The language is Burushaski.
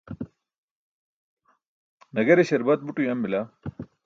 nagare śarbat but uyam bila